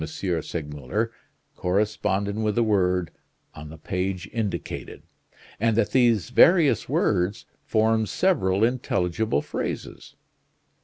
Segmuller corresponded with a word on the page indicated, and that these various words formed several intelligible phrases.